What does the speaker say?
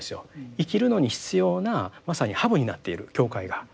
生きるのに必要なまさにハブになっている教会が。